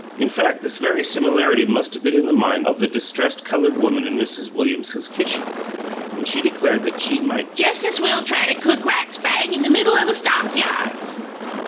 In fact, this very similarity must have been in the mind of the distressed coloured woman in Mrs. Williams's kitchen, when she declared that she might "jes' as well try to cook right spang in the middle o' the stock yards."